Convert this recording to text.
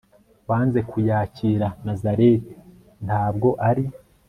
wanze kuyakira, nazareti, ntabwo ari